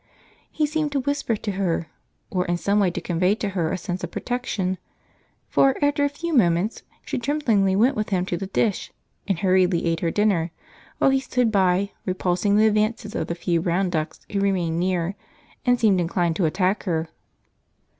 He seemed to whisper to her, or in some way to convey to her a sense of protection; for after a few moments she tremblingly went with him to the dish, and hurriedly ate her dinner while he stood by, repulsing the advances of the few brown ducks who remained near and seemed inclined to attack her.